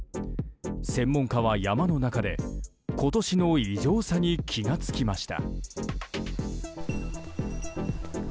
専門家は山の中で今年の異常さに気が付きました。